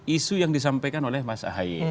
isu yang disampaikan oleh mas ahy